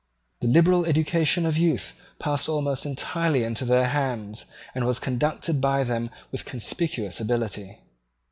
The liberal education of youth passed almost entirely into their hands, and was conducted by them with conspicuous ability.